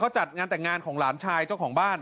จัดงานแต่งงานของหลานชายเจ้าของบ้าน